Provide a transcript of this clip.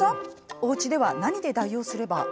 おうちでは何で代用すれば？